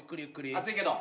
熱いけど。